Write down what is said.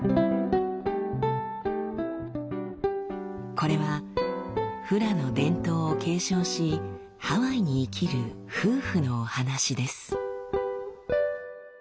これはフラの伝統を継承しハワイに生きる夫婦のお話です。